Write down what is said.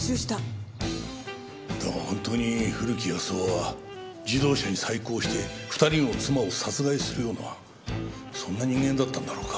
だが本当に古木保男は自動車に細工をして２人の妻を殺害するようなそんな人間だったんだろうか？